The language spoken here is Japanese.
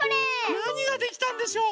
なにができたんでしょう？